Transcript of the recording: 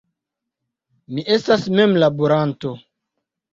Mi estas memlaboranto.